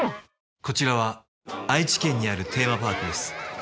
こちらは愛知県にあるテーマパークです。